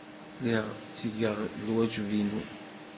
Lliɣ ttgeɣ lwajeb-inu.